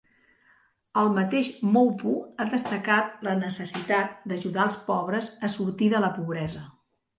El mateix Moupo ha destacat la necessitat d'ajudar els pobres a sortir de la pobresa.